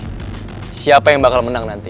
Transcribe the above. let's see siapa yang bakal menang nanti